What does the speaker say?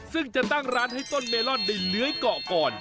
ซึ่งจะตั้งร้านให้ต้นเมลอนได้เลื้อยเกาะก่อน